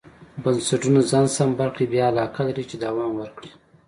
بنسټونه ځان سمبال کړي بیا علاقه لري چې دوام ورکړي.